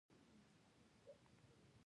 نور خپل وخت ضایع نه کړي.